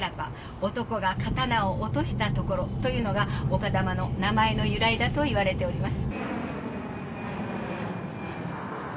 「男が刀を落とした所」というのが丘珠の名前の由来だといわれております。